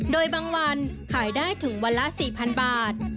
โดยบางวันขายได้ถึงวันละ๔๐๐๐บาท